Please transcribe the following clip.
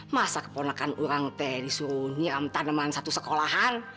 masa keponakan orang itu disuruh nyiram tanaman satu sekolahan